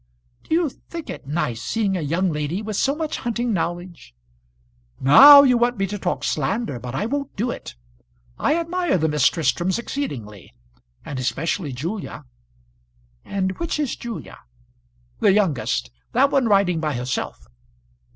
"Do you think it nice seeing a young lady with so much hunting knowledge?" "Now you want me to talk slander, but I won't do it. I admire the Miss Tristrams exceedingly, and especially Julia." "And which is Julia?" "The youngest; that one riding by herself."